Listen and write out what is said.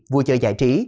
vui chơi giải trí